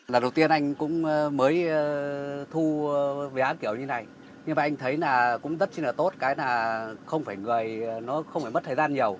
lần đầu tiên anh cũng mới thu vé án kiểu như này nhưng mà anh thấy là cũng rất là tốt cái là không phải người nó không phải mất thời gian nhiều